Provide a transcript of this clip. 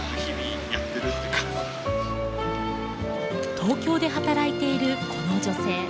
東京で働いているこの女性。